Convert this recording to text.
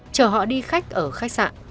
chờ họ đi khách ở khách sạn